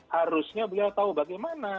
harusnya beliau tahu bagaimana